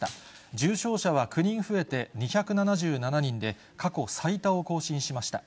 重症者は９人増えて２７７人で、過去最多を更新しました。